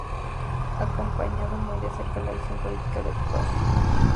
Acompañó muy de cerca la visión política del Prof.